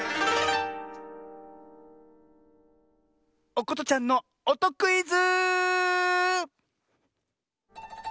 おことちゃんのおとクイズ！